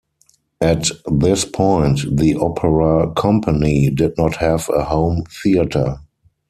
At this point the opera company did not have a home theatre.